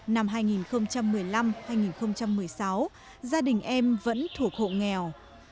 năm hai nghìn một mươi năm hai nghìn một mươi sáu gia đình em vẫn thuộc hộ nghèo